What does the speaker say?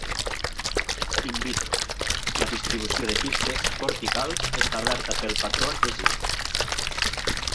"In vitro", la distribució de pistes corticals establerta pel patró adhesiu.